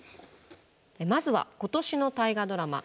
まずは今年の大河ドラマ